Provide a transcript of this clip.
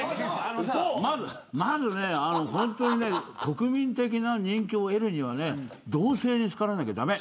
まずは国民的な人気を得るには同性に好かれなきゃ駄目。